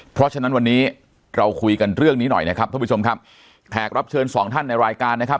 เพราะฉะนั้นวันนี้เราคุยกันเรื่องนี้หน่อยนะครับท่านผู้ชมครับแขกรับเชิญสองท่านในรายการนะครับ